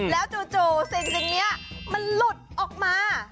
แล้วจู่สิ่งนี้มันหลุดออกมา